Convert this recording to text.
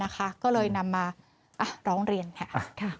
ก็เลยนำมาร้องเรียนค่ะ